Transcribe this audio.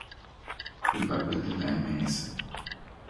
El papel de la Ms.